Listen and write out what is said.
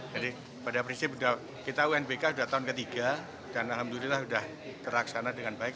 jadi pada prinsip kita unbk sudah tahun ketiga dan alhamdulillah sudah teraksana dengan baik